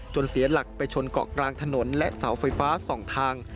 เสียหลักไปชนเกาะกลางถนนและเสาไฟฟ้า๒ทาง